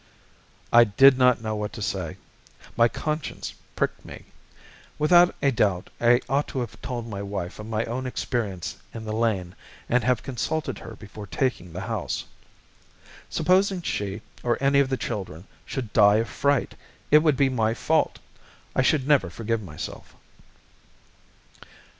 I did not know what to say. My conscience pricked me. Without a doubt I ought to have told my wife of my own experience in the lane, and have consulted her before taking the house. Supposing she, or any of the children, should die of fright, it would be my fault. I should never forgive myself.